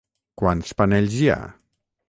Quants panells hi ha?